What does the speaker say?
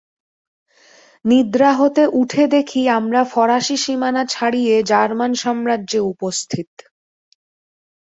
নিদ্রা হতে উঠে দেখি, আমরা ফরাসী সীমানা ছাড়িয়ে জার্মান সাম্রাজ্যে উপস্থিত।